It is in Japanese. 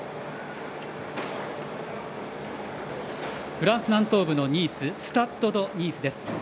フランス南東部のニーススタッド・ド・ニースです。